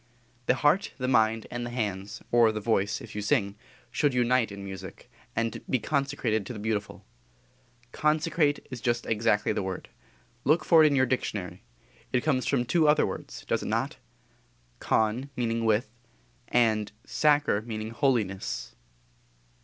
The heart, the mind, and the hands, or the voice, if you sing, should unite in our music; and be consecrated to the beautiful. Consecrate is just exactly the word. Look for it in your dictionary. It comes from two other words, does it not? Con meaning with and sacer meaning _holiness.